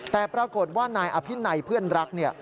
แต่ปรากฏว่านายอภินัยเพื่อนรักเนี่ย